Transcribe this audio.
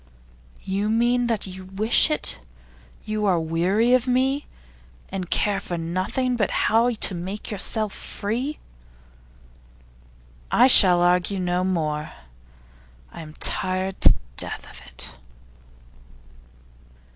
'You mean that you wish it. You are weary of me, and care for nothing but how to make yourself free.' 'I shall argue no more. I am tired to death of it.